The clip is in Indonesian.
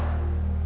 ini pengen lui